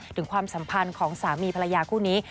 ความสัมพันธ์ของสามีภรรยาคู่นี้